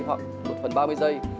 hoặc một phần ba mươi giây